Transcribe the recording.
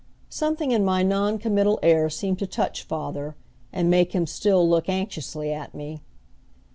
Something in my noncommittal air seemed to touch father, and make him still look anxiously at me.